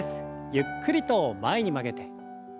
ゆっくりと前に曲げて。